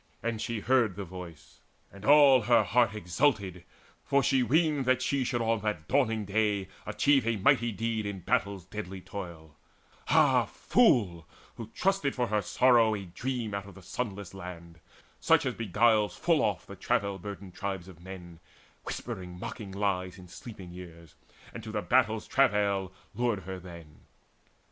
And she heard the voice, And all her heart exulted, for she weened That she should on that dawning day achieve A mighty deed in battle's deadly toil Ah, fool, who trusted for her sorrow a dream Out of the sunless land, such as beguiles Full oft the travail burdened tribes of men, Whispering mocking lies in sleeping ears, And to the battle's travail lured her then!